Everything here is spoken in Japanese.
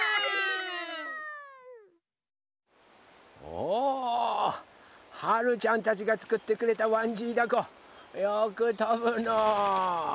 おはるちゃんたちがつくってくれたわんじいだこよくとぶのう。